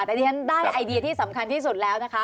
แต่ดิฉันได้ไอเดียที่สำคัญที่สุดแล้วนะคะ